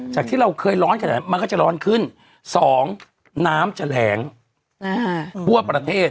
ที่เราเคยร้อนขนาดนั้นมันก็จะร้อนขึ้น๒น้ำจะแหลงทั่วประเทศ